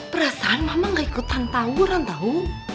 perasaan mama ga ikutan tawuran tau